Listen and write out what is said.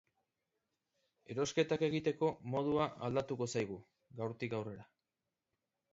Erosketak egiteko modua aldatuko zaigu, gaurtik aurrera.